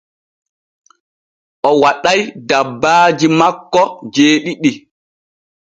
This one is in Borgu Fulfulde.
O waɗay dabbaaji makko jeeɗiɗi.